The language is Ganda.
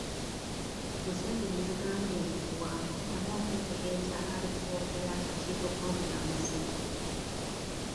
Museveni yagambye nti waakuddamu okwetegereza alipoota y'akakiiko k'Omulamuzi